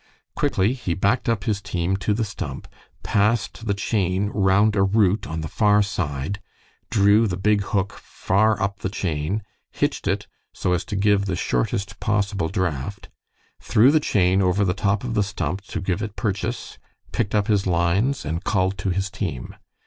Quickly he backed up his team to the stump, passed the chain round a root on the far side, drew the big hook far up the chain, hitched it so as to give the shortest possible draught, threw the chain over the top of the stump to give it purchase, picked up his lines, and called to his team.